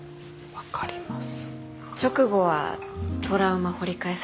分かります。